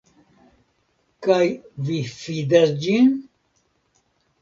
Kaj vi fidas ĝin?